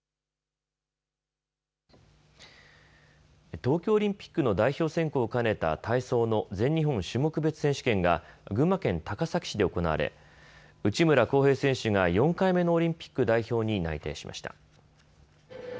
東京オリンピックの代表選考を兼ねた体操の全日本種目別選手権が群馬県高崎市で行われ内村航平選手が４回目のオリンピック代表に内定しました。